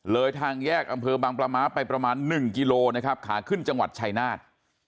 ทางแยกอำเภอบางปลาม้าไปประมาณ๑กิโลนะครับขาขึ้นจังหวัดชายนาฏ